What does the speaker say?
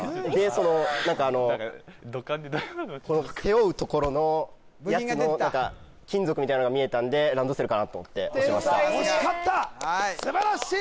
その何かあのこの背負うところのやつの何か金属みたいなのが見えたんでランドセルかなと思って押しましたすばらしい！